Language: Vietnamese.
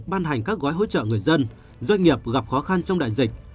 ban hành các gói hỗ trợ người dân doanh nghiệp gặp khó khăn trong đại dịch